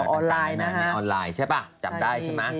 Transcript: ออนไลน์นะครับใช่ป่ะจำได้ใช่ป่ะ